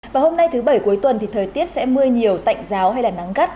và hôm nay thứ bảy cuối tuần thì thời tiết sẽ mưa nhiều tạnh giáo hay là nắng gắt